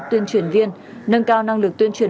tuyên truyền viên nâng cao năng lực tuyên truyền